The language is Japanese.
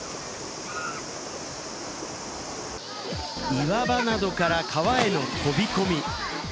岩場などから川への飛び込み。